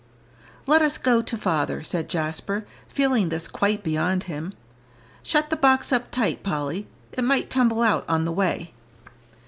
"Let us go to father," said Jasper, feeling this quite beyond him. "Shut the box up tight, Polly; it might tumble out on the way."